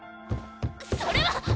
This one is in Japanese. それは！